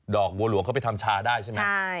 บัวหลวงเขาไปทำชาได้ใช่ไหม